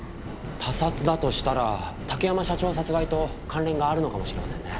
他殺だとしたら竹山社長殺害と関連があるのかもしれませんね。